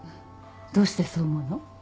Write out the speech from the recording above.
どうしてそう思うの？